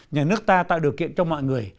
nhà nước ta tạo điều kiện cho mọi người